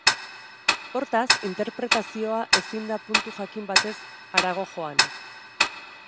Hortaz, interpretazioa ezin da puntu jakin batez harago joan.